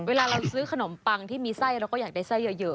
เวลาเราซื้อขนมปังที่มีไส้เราก็อยากได้ไส้เยอะ